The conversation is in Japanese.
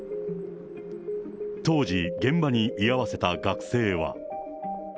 当時、現場に居合わせた学生は。